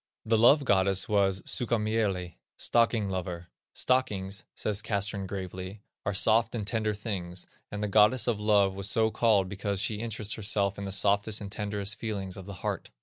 The Love goddess was Sukkamieli (stocking lover). "Stockings," says Castrén gravely, "are soft and tender things, and the goddess of love was so called because she interests herself in the softest and tenderest feelings of the heart."